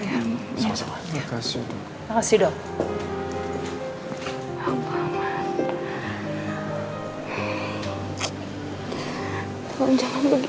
terima kasih dok